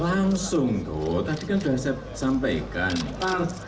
langsung tuh tadi kan sudah saya sampaikan